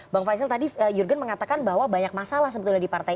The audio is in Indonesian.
bang faisal tadi jurgen mengatakan bahwa banyak masalah sebetulnya di partai